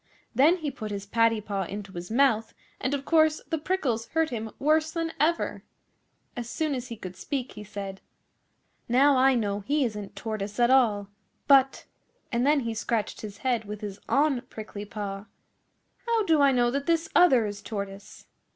Then he put his paddy paw into his mouth, and of course the prickles hurt him worse than ever. As soon as he could speak he said, 'Now I know he isn't Tortoise at all. But' and then he scratched his head with his un prickly paw 'how do I know that this other is Tortoise?